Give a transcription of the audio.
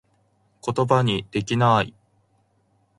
ことばにできなぁい